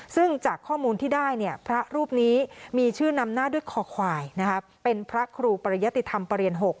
ซึ่งจากข้อมูลที่ได้พระรูปนี้มีชื่อนำหน้าด้วยคอควายเป็นพระครูปริยติธรรมประเรียน๖